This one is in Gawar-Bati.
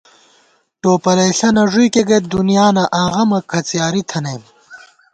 ٹوپَلئیݪہ نہ ݫُوئیکےگئیت دُنیانہ، آں غَمہ کھڅیاری تھنَئیم